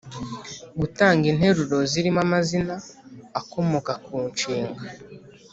Gutanga interuro zirimo amazina akomoka ku nshinga